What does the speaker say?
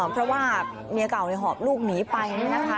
เพราะว่าเมียเก่าหอบลูกหนีไป